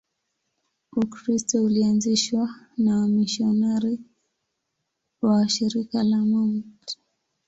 Ukristo ulianzishwa na wamisionari wa Shirika la Mt.